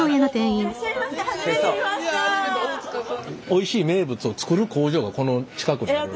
「おいしい名物」を作る工場がこの近くにある。